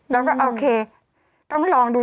แล้วก็โอเคต้องลองดู